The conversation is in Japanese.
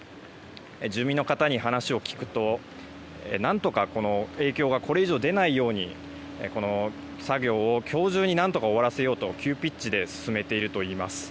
住民の方に話を聞くと何とか、影響がこれ以上出ないように作業を今日中に終わらせようと急ピッチで進めているといいます。